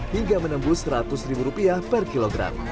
hingga menembus rp seratus per kilogram